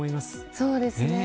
そうですね。